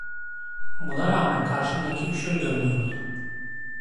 Buna rağmen karşımdaki üşür görünüyordu.